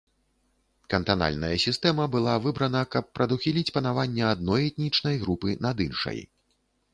Кантанальная сістэма была выбрана, каб прадухіліць панаванне адной этнічнай групы над іншай.